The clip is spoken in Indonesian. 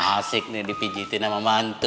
asik nih dipijitin sama mantu